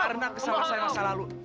karena kesalahan saya masa lalu